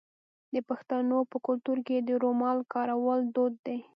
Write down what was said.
د پښتنو په کلتور کې د رومال کارول دود دی.